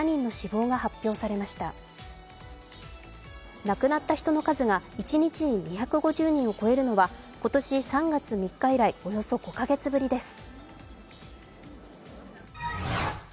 亡くなった人の数が一日に２５０人を超えるのは今年３月３日以来およそ５カ月ぶりです。